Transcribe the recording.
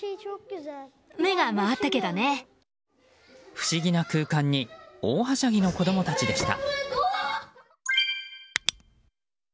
不思議な空間に大はしゃぎの子供たちでした。